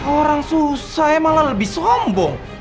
orang susah malah lebih sombong